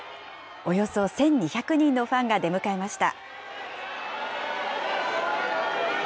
およそ１２００人のファンが出迎えました。